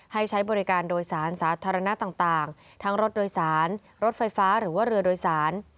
ให้ใช้บริการโดยสารสาธารณะต่างทั้งรถโดยสารรถไฟฟ้าหรือว่าเรือโดยสาร